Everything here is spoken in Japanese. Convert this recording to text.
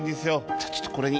じゃあちょっとこれに。